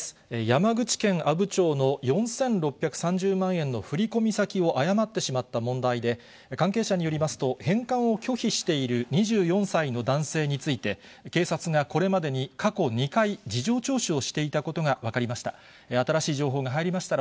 山口県阿武町の４６３０万円の振り込み先を誤ってしまった問題で、関係者によりますと、返還を拒否している２４歳の男性について、警察がこれまでに、過去２回、事情聴取をしていたことが分かりました。